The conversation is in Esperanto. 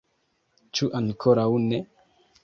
Ĉu ankoraŭ ne?